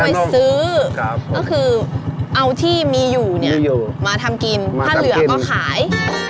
ไปซื้อก็คือเอาที่มีอยู่เนี่ยมาทำกินถ้าเหลือก็ขาย